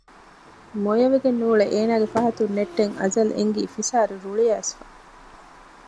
މޮޔަވެގެން ނޫޅެ އޭނާގެ ފަހަތުން ނެއްޓެން އަޒަލް އެންގީ ފިސާރި ރުޅިއައިސްފަ